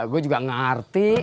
gue juga ngerti